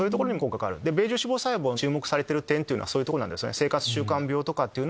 ベージュ脂肪細胞が注目されてる点はそういうとこなんですね。